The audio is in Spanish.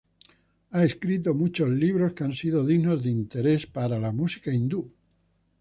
Ha escrito muchos libros, que han sido dignos de interese para la música hindú.